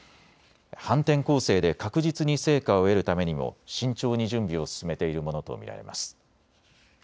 反転攻勢で確実に成果を得るためにも慎重に準備を進めているものと見られます。